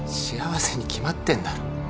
幸せに決まってんだろ」